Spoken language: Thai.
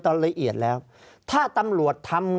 ภารกิจสรรค์ภารกิจสรรค์